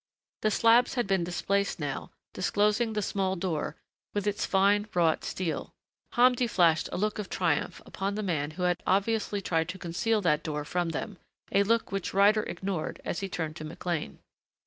The slabs had been displaced now, disclosing the small door, with its fine wrought stele. Hamdi flashed a look of triumph upon the man who had obviously tried to conceal that door from them, a look which Ryder ignored as he turned to McLean.